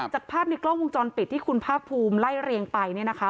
จากภาพในกล้องวงจรปิดที่คุณภาคภูมิไล่เรียงไปเนี่ยนะคะ